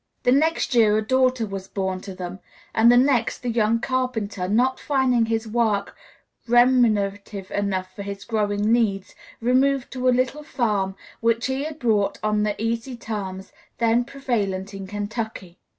The next year a daughter was born to them; and the next the young carpenter, not finding his work remunerative enough for his growing needs, removed to a little farm which he had bought on the easy terms then prevalent in Kentucky.